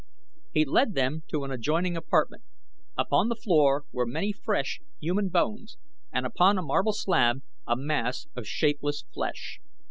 He led them to an adjoining apartment. Upon the floor were many fresh, human bones and upon a marble slab a mass of shapeless flesh.